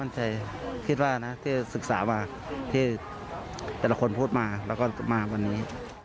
ที่ศึกษามาที่แต่ละคนพูดมาแล้วก็มาวันนี้